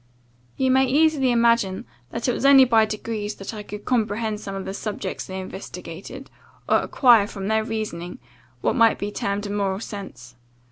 "You may easily imagine, that it was only by degrees that I could comprehend some of the subjects they investigated, or acquire from their reasoning what might be termed a moral sense.